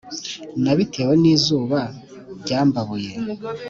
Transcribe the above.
Nabitewe n’izuba ryambabuye